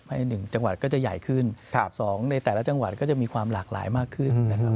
ใน๑จังหวัดก็จะใหญ่ขึ้น๒ในแต่ละจังหวัดก็จะมีความหลากหลายมากขึ้นนะครับ